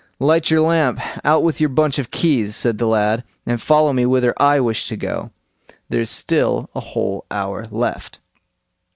"Light your lamp; out with your big bunch of keys", said the lad, "and follow me whither I wish to go. There is still a whole hour left."